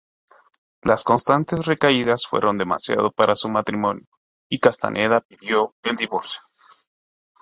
Las constantes recaídas fueron demasiado para su matrimonio, y Castaneda pidió el divorcio.